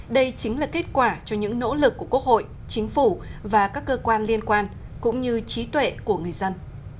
đây chính là kết quả cho những nỗ lực của quốc hội chính phủ và các cơ quan liên quan cũng như trí tuệ của người dân